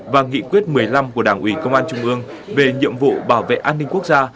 và nghị quyết một mươi năm của đảng ủy công an trung ương về nhiệm vụ bảo vệ an ninh quốc gia